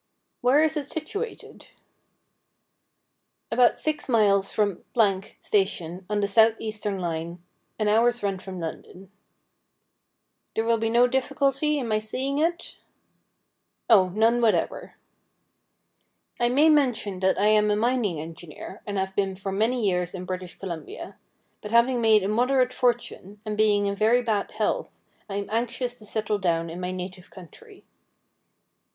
' Where is it situated ?'' About six miles from Station on the South Eastern line — an hour's run from London.' 204 STORIES WEIRD AND WONDERFUL ' There will be no difficulty in my seeing it ?'' Oh, none whatever.' ' I may mention that I am a mining engineer, and have been for many years in British Columbia. But having made a moderate fortune, and being in very bad health, I am anxious to settle down in my native country.'